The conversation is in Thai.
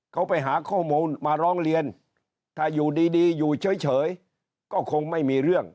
เขาไปหาข้อมูลมาร้องเรียนถ้าอยู่ดีอยู่เฉยก็คงไม่มีเรื่อง